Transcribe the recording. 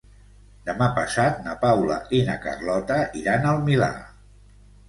Demà passat na Paula i na Carlota iran al Milà.